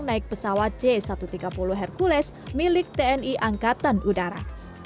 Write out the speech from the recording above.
naik pesawat c satu ratus tiga puluh hercules milik tni angkatan udara